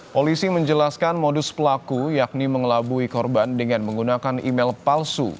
polisi menjelaskan modus pelaku yakni mengelabui korban dengan menggunakan email palsu